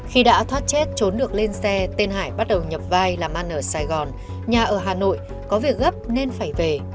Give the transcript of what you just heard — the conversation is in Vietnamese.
khi đã thoát chết trốn được lên xe tên hải bắt đầu nhập vai làm ăn ở sài gòn nhà ở hà nội có việc gấp nên phải về